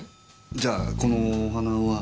じゃあこのお花は？